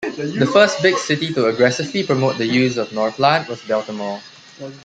The first big city to aggressively promote the use of Norplant was Baltimore.